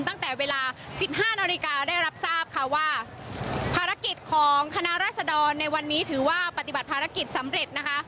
ตั้งแต่เวลาสิบห้านาฬิกาได้รับทราบค่ะว่าภารกิจของคณะรัศดรในวันนี้ถือว่าปฏิบัติภารกิจสำเร็จนะคะ